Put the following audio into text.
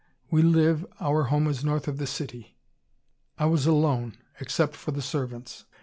We live our home is north of the city. I was alone, except for the servants.